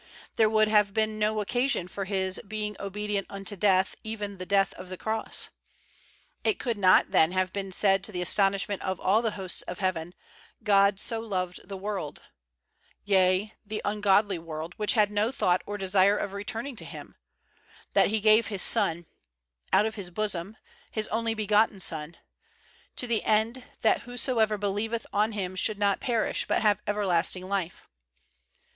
There would have been no occasion for His "be ing obedient unto death, even the death of the cross." It could not then have been said, to the astonishment of all the hosts of heaven, "God so loved the world," yea, the ungodly world, which had no thought or desire of returning to Him, "that He gave His Son" out of His bosom, His only begotten Son, "to the end that whoso ever believeth on Him should not perish, but have everlasting life.